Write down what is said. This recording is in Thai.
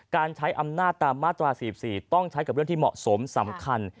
การใช้อำนาจตามมาตรา๔๔ต้องใช้กับเรื่องที่เหมาะสมสำคัญ